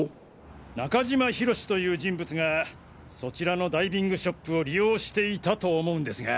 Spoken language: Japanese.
中島敬史という人物がそちらのダイビングショップを利用していたと思うんですが。